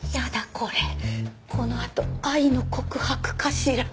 これこのあと愛の告白かしら？